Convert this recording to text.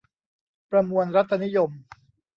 ประมวลรัฐนิยม